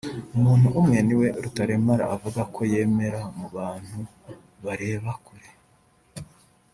umuntu umwe niwe Rutaremara avuga ko yemera “mu bantu bareba kure”